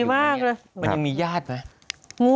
มันยังมีญาติไหม